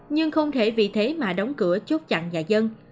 nhưng không thể vì thế mà đóng cửa chốt chặn nhà dân